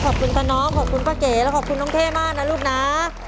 ขอบคุณค่ะน้องขอบคุณป้าเก๋และขอบคุณน้องเท่มากนะลูกนะ